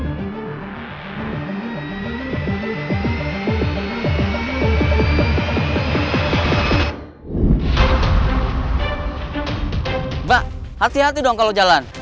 mbak hati hati dong kalau jalan